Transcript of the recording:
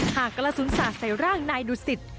ห่างกระซุนศาสตร์ใส่ร่างนายดุสิต